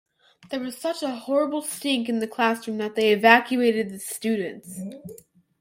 There was such a horrible stink in the classroom that they evacuated the students.